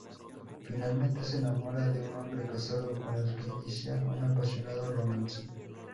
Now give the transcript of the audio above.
Finalmente se enamora de un hombre casado con el que inicia un apasionado romance.